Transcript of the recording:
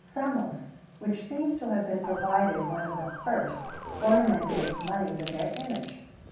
Samos, which seems to have been provided one of the first, ornamented its money with their image.